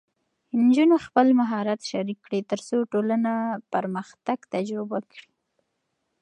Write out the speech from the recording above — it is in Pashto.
نجونې خپل مهارت شریک کړي، ترڅو ټولنه پرمختګ تجربه کړي.